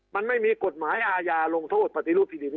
มันไม่มีกฎหมายอาญาลงโทษปฏิรูปที่ดิน